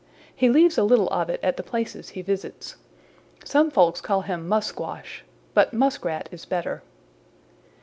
He leaves a little of it at the places he visits. Some folks call him Musquash, but Muskrat is better.